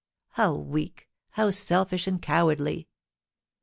How weak, how selfish and cowardly!